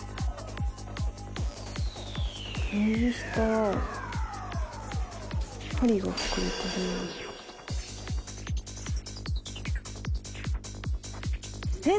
右下は針が隠れてるえっ